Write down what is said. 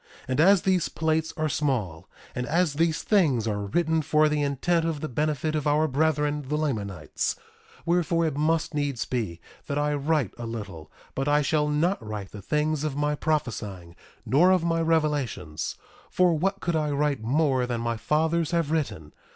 1:2 And as these plates are small, and as these things are written for the intent of the benefit of our brethren the Lamanites, wherefore, it must needs be that I write a little; but I shall not write the things of my prophesying, nor of my revelations. For what could I write more than my fathers have written?